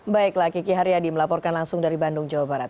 baiklah kiki haryadi melaporkan langsung dari bandung jawa barat